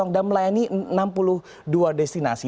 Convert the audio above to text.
melayani enam puluh dua destinasi